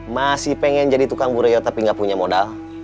masih pengen jadi tukang bureo tapi gak punya modal